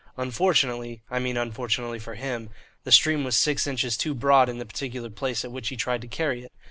Unfortunately (I mean unfortunately for him) the stream was six inches too broad in the particular place at which he tried to carry it.